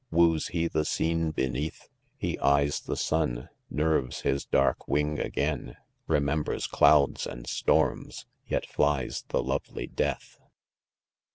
— woos he the scene beneatli ? He eyes the sun — nerves his dark wing again — Remembers clouds and storms — yet flies the lovely [death.